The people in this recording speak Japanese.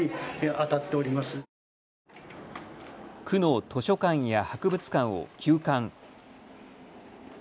区の図書館や博物館を休館。